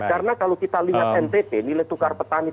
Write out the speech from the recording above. karena kalau kita lihat ntt nilai tukar petani